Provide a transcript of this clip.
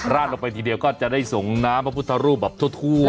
ลงไปทีเดียวก็จะได้ส่งน้ำพระพุทธรูปแบบทั่ว